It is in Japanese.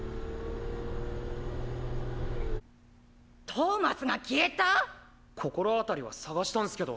トーマスが消えた⁉心当たりは捜したんスけど。